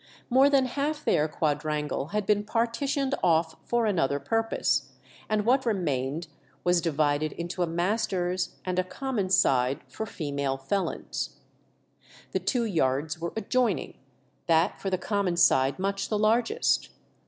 More than half their quadrangle had been partitioned off for another purpose, and what remained was divided into a master's and a common side for female felons. The two yards were adjoining, that for the common side much the largest.